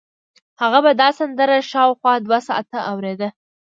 هغه به دا سندره شاوخوا دوه ساعته اورېده